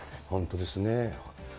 本当ですね。